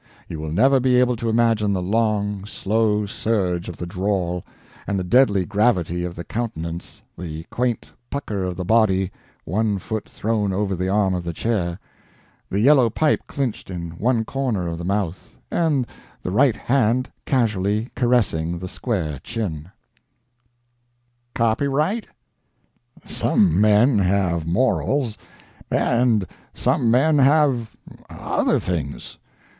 You will never be able to imagine the long, slow surge of the drawl, and the deadly gravity of the countenance, the quaint pucker of the body, one foot thrown over the arm of the chair, the yellow pipe clinched in one corner of the mouth, and the right hand casually caressing the square chin:— "Copyright? Some men have morals, and some men have—other things.